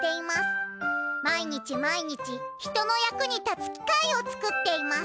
毎日毎日人の役に立つきかいを作っています。